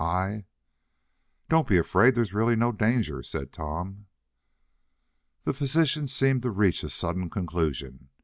I " "Don't be afraid, there's really no danger," said Tom. The physician seemed to reach a sudden conclusion.